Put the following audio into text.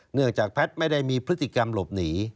เนื่องจากแพทย์ไม่ได้มีพฤติกรรมหลบหนี